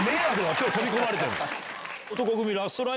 今日飛び込まれても。